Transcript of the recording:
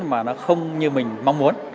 mà nó không như mình mong muốn